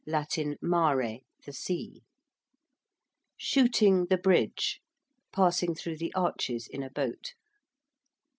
(Latin mare, the sea.) ~'shooting' the bridge~: passing through the arches in a boat.